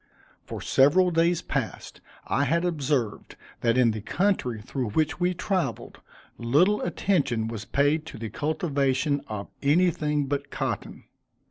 For several days past, I had observed that in the country through which we traveled, little attention was paid to the cultivation of anything but cotton.